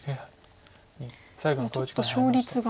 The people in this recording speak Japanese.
ちょっと勝率が。